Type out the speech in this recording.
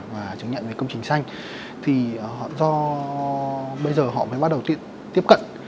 và chứng nhận về công trình xanh thì họ do bây giờ họ mới bắt đầu tiếp cận